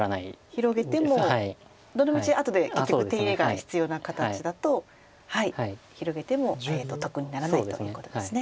広げてもどのみち後で結局手入れが必要な形だと広げても得にならないということですね。